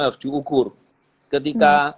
harus diukur ketika